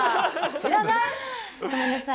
知らない？